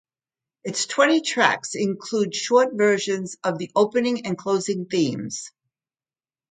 Its twenty tracks include short versions of the opening and closing themes.